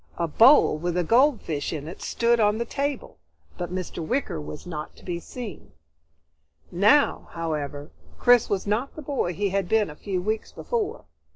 A bowl with a goldfish in it stood on the table, but Mr. Wicker was not to be seen. Now, however, Chris was not the boy he had been a few weeks before.